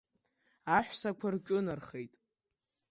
Аҳәсақәа рҿынархеит.